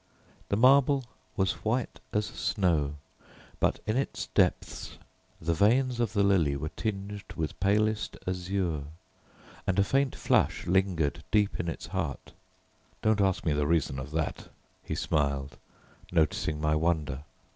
The marble was white as snow, but in its depths the veins of the lily were tinged with palest azure, and a faint flush lingered deep in its heart. "Don't ask me the reason of that," he smiled, noticing my wonder.